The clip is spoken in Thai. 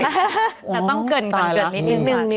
แต่ต้องเกิดก่อนเกิดนิดนึง